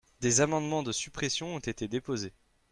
Des amendements de suppression ont été déposés.